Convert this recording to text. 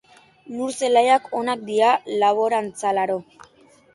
Lur zelaiak onak dira laborantzarako